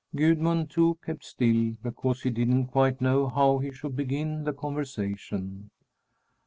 Gudmund, too, kept still because he didn't quite know how he should begin the conversation.